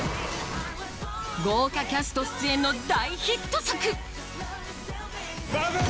豪華キャスト出演の大ヒット作ファブル！